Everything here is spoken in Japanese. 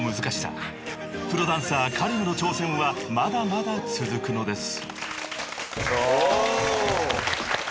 ［プロダンサーＫａｒｉｍの挑戦はまだまだ続くのです］